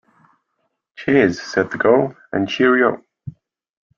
Cheers, said the girl, and cheerio